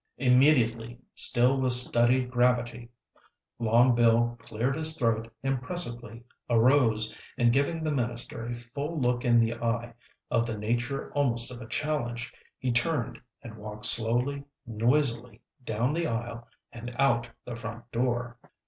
Immediately, still with studied gravity, Long Bill cleared his throat impressively, arose, and, giving the minister a full look in the eye, of the nature almost of a challenge, he turned and walked slowly, noisily down the aisle and out the front door.